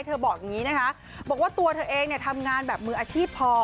บอกอย่างนี้นะคะบอกว่าตัวเธอเองเนี่ยทำงานแบบมืออาชีพพอ